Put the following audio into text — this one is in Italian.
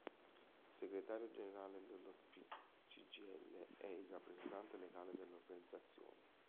Il segretario generale dello Spi Cgil è il rappresentante legale dellʼorganizzazione.